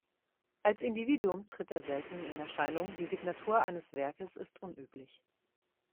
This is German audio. Als Individuum tritt er selten in Erscheinung, die Signatur eines Werkes ist unüblich.